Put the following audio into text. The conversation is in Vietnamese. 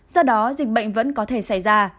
do đó dịch bệnh vẫn có thể xảy ra